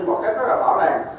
một cách rất là rõ ràng